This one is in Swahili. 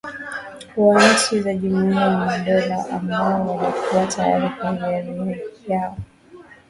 wa nchi za jumuiya ya madola ambao walikuwa tayari kwa hiari yao